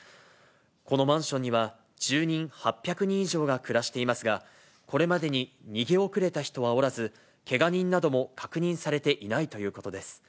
このマンションには住人８００人以上が暮らしていますが、これまでに逃げ遅れた人はおらず、けが人なども確認されていないということです。